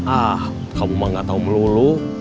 ah kamu mah gak tau melulu